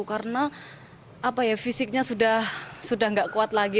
karena fisiknya sudah tidak kuat lagi